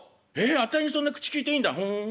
あたいにそんな口きいていいんだふん。